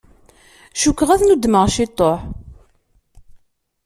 Cukkeɣ ad nudmeɣ ciṭuḥ.